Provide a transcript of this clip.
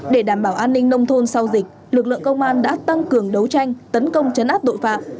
để đảm bảo an ninh nông thôn sau dịch lực lượng công an đã tăng cường đấu tranh tấn công chấn áp tội phạm